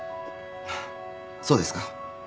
そうですか。